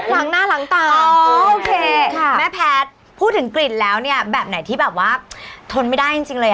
หลังหน้าหลังตาอ๋อโอเคแม่แพทย์พูดถึงกลิ่นแล้วเนี่ยแบบไหนที่แบบว่าทนไม่ได้จริงเลยอ่ะ